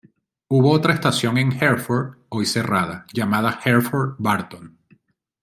Hubo otra estación en Hereford, hoy cerrada, llamada Hereford Barton.